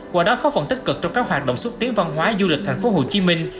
qua đó góp phần tích cực trong các hoạt động xuất tiến văn hóa du lịch thành phố hồ chí minh